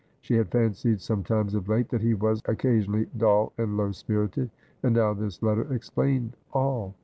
She had fancied sometimes of late that he was occasionally dull and low spirited ; and now this letter explained all.